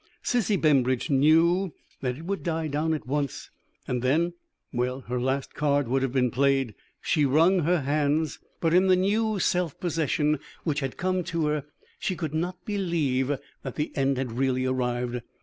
Sissy Bembridge knew that it would die down at once, and then well, her last card would have been played. She wrung her hands, but in the new self possession which had come to her, she could not believe that the end had really arrived.